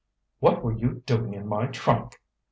"What were you doing in my trunk?"